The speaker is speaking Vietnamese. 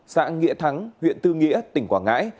xã nghĩa thắng huyện tư nghĩa tỉnh quảng ngãi